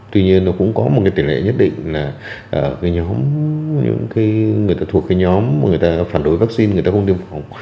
tuy nhiên nó cũng có một tỉ lệ nhất định là người ta thuộc cái nhóm người ta phản đối vaccine người ta không tiêm phòng